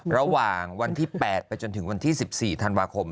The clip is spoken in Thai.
ระหว่างวันที่๘ไปจนถึงวันที่๑๔ธันวาคม